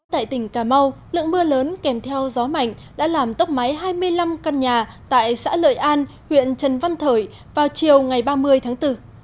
tại tỉnh cà mau lượng mưa lớn kèm theo gió mạnh đã làm tốc máy hai mươi năm căn nhà tại xã lợi an huyện trần văn thởi vào chiều ngày ba mươi tháng bốn